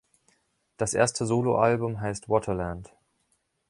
Das erste Soloalbum heißt „Waterland“.